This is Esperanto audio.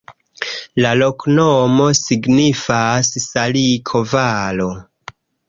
La loknomo signifas: saliko-valo.